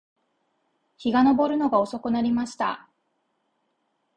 日が登るのが遅くなりました